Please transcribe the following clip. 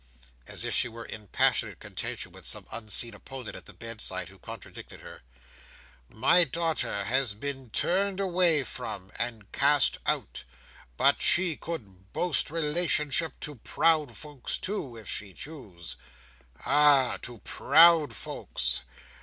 —as if she were in passionate contention with some unseen opponent at the bedside, who contradicted her—"my daughter has been turned away from, and cast out, but she could boast relationship to proud folks too, if she chose. Ah! To proud folks!